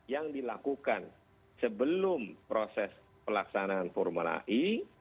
yang dilakukan sebelum proses pelaksanaan formula e